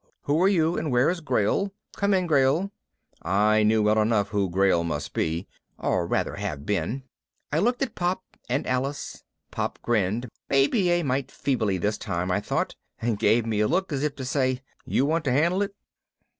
"Who are you? And where is Grayl? Come in, Grayl." I knew well enough who Grayl must be or rather, have been. I looked at Pop and Alice. Pop grinned, maybe a mite feebly this time, I thought, and gave me a look as if to say, "You want to handle it?"